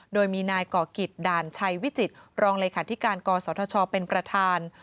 โดยมีนายก่อกิจด่านชัยวิจิตรองเลขาธิการกศธชเป็นประธาน